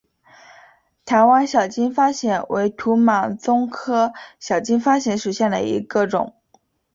台湾小金发藓为土马鬃科小金发藓属下的一个种。